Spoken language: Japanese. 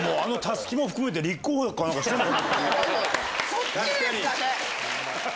そっちですかね。